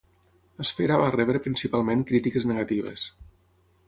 "Esfera" va rebre principalment crítiques negatives.